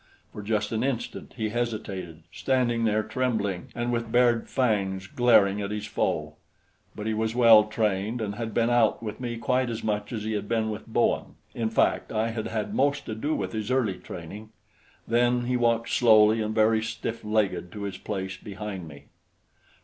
For just an instant he hesitated, standing there trembling and with bared fangs, glaring at his foe; but he was well trained and had been out with me quite as much as he had with Bowen in fact, I had had most to do with his early training; then he walked slowly and very stiff legged to his place behind me.